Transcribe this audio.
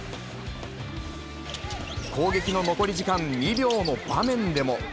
攻撃の残り時間２秒の場面でも。